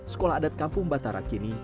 sekolah adat kampung batara kini